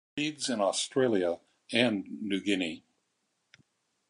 It breeds in Australia and New Guinea.